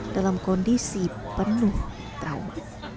dalam kondisi penuh trauma